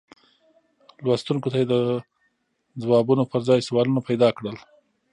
لوستونکو ته یې د ځوابونو پر ځای سوالونه پیدا کړل.